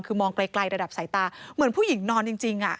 คือมองไกลระดับสายตาเหมือนผู้หญิงนอนจริง